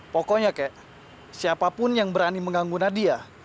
pokoknya siapapun yang berani mengganggu nadia